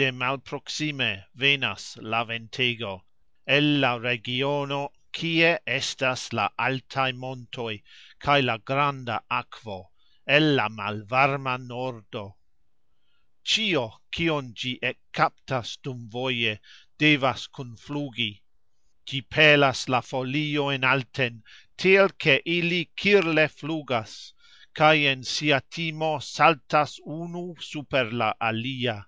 De malproksime venas la ventego, el la regiono, kie estas la altaj montoj kaj la granda akvo, el la malvarma nordo. Cxio, kion gxi ekkaptas dumvoje, devas kunflugi. Gxi pelas la foliojn alten, tiel ke ili kirle flugas kaj en sia timo saltas unu super la alia.